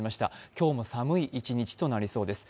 今日も寒い一日となりそうです。